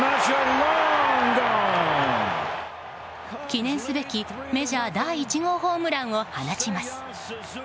記念すべきメジャー第１号ホームランを放ちます。